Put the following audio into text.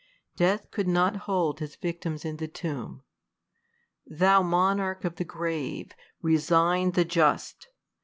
Death could not hold his victims in the tomb. *' Thou monarch of the grave, resign the just